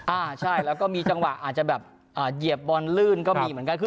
อ่าใช่แล้วก็มีจังหวะอาจจะแบบเหยียบบอลลื่นก็มีเหมือนกัน